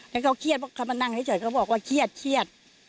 ให้เขาเครียดเพราะเขามานั่งเฉยเขาบอกว่าเครียด